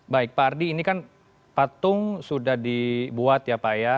baik pak ardi ini kan patung sudah dibuat ya pak ya